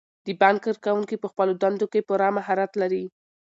د بانک کارکوونکي په خپلو دندو کې پوره مهارت لري.